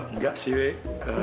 nggak sih wik